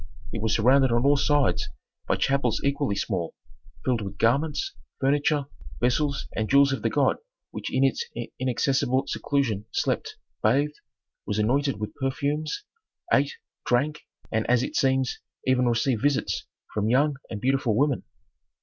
It was surrounded on all sides by chapels equally small, filled with garments, furniture, vessels and jewels of the god which in its inaccessible seclusion slept, bathed, was anointed with perfumes, ate, drank, and as it seems even received visits from young and beautiful women.